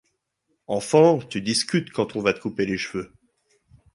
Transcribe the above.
Enfant, tu discutes quand on va te couper les cheveux !…